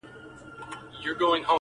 دې مخلوق ته به مي څنګه په زړه کیږم؟٫